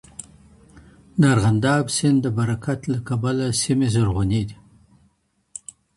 د ارغنداب سیند د برکت له کبله سیمې زرغونې دي.